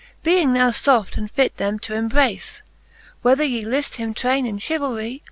Being now foft and fit them to embrace j Whether ye lift him traine in chevalry.